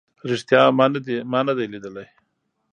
ریښتیا ما نه دی لیدلی